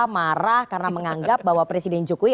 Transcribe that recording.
marah karena menganggap bahwa presiden jokowi